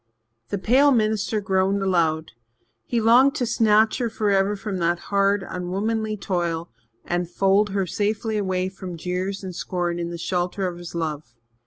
The pale minister groaned aloud. He longed to snatch her forever from that hard, unwomanly toil and fold her safely away from jeers and scorn in the shelter of his love.